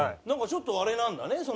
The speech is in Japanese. なんかちょっとあれなんだね